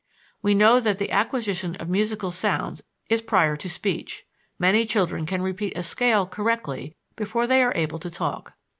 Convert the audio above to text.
We know that the acquisition of musical sounds is prior to speech: many children can repeat a scale correctly before they are able to talk.